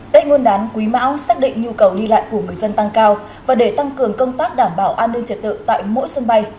tết nguyên đán quý mão xác định nhu cầu đi lại của người dân tăng cao và để tăng cường công tác đảm bảo an ninh trật tự tại mỗi sân bay